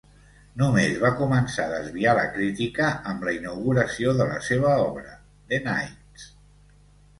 Només va començar a desviar la crítica amb la inauguració de la seva obra, "The Knights".